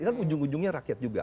kan ujung ujungnya rakyat juga